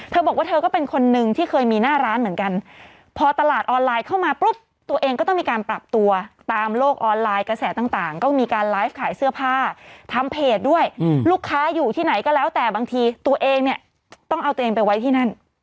บอกว่าเธอก็เป็นคนนึงที่เคยมีหน้าร้านเหมือนกันพอตลาดออนไลน์เข้ามาปุ๊บตัวเองก็ต้องมีการปรับตัวตามโลกออนไลน์กระแสต่างก็มีการไลฟ์ขายเสื้อผ้าทำเพจด้วยลูกค้าอยู่ที่ไหนก็แล้วแต่บางทีตัวเองเนี่ยต้องเอาตัวเองไปไว้ที่นั่น